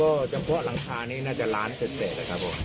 ก็เฉพาะหลังคานี้น่าจะล้านเศษนะครับผม